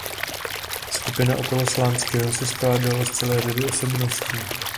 Skupina okolo Slánského se skládala z celé řady osobností.